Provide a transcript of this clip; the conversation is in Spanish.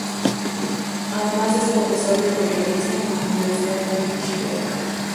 Además es profesor de periodismo en la Universidad Finis Terrae.